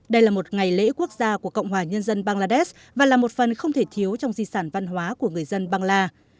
đây là một ngày lễ quốc gia của cộng hòa nhân dân bangladesh và là một phần không thể thiếu trong di sản văn hóa của người dân banglad